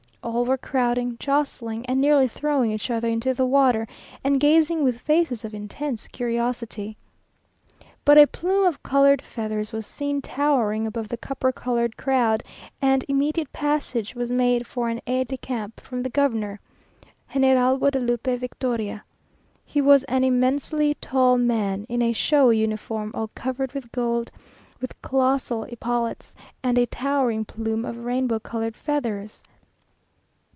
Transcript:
All were crowding, jostling, and nearly throwing each other into the water, and gazing with faces of intense curiosity. But a plume of coloured feathers was seen towering above the copper coloured crowd, and immediate passage was made for an aide de camp from the Governor, General Guadalupe Victoria. He was an immensely tall man, in a showy uniform all covered with gold, with colossal epaulets and a towering plume of rainbow coloured feathers.